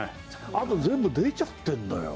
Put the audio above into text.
あと全部出ちゃってんのよ。